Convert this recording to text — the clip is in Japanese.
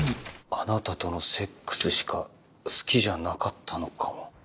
「あなたとのセックスしか好きじゃなかったのかも」。